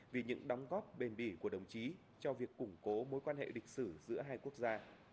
vì những đóng góp bền bỉ của đồng chí cho việc củng cố mối quan hệ lịch sử giữa hai quốc gia